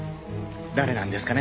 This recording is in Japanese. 誰なんですかね？